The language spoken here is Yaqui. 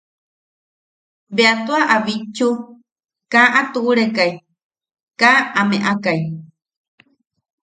Bea tua a bitchu, kaa a tuʼurekai, kaa a meʼakai.